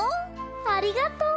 ありがとう。